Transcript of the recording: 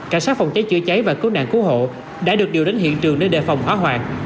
cả sát phòng cháy chữa cháy và cứu nạn cứu hộ đã được điều đánh hiện trường để đề phòng hóa hoạt